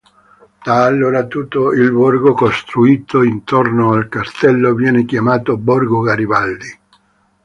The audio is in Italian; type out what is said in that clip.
Da allora tutto il borgo costruito intorno al castello viene chiamato Borgo Garibaldi.